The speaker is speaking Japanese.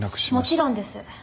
もちろんです。